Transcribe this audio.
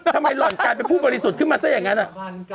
ทำไมหลอกลายไปพูดบริสุทธิ์ขึ้นมาเส้นยังไงล่ะ